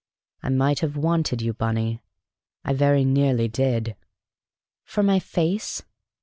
"I might have wanted you, Bunny. I very nearly did." "For my face?"